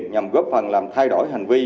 nhằm góp phần làm thay đổi hành vi